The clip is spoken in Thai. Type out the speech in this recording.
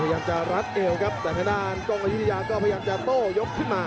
พยายามจะรัดเอวครับแต่ทางด้านกล้องอายุทยาก็พยายามจะโต้ยกขึ้นมา